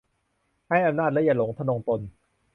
ให้อำนาจ แล้วอย่าหลง ทนงตน